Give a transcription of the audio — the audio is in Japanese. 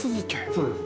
そうです。